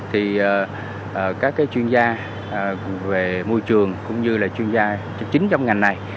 thì các cái chuyên gia về môi trường cũng như là chuyên gia chính trong ngành này